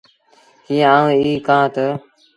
ڪيٚ آئوٚنٚ ايٚ ڪهآنٚ تا